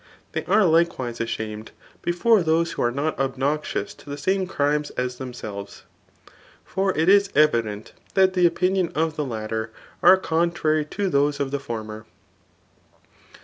They are Iflceime ashamed before tiiose whoare not obnoijoos to the ssme crimes as themsdves; for it is snrident that the opnbns of the latter are contnffy to those of the former.